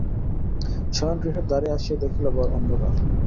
শয়নগৃহের দ্বারে আসিয়া দেখিল ঘর অন্ধকার।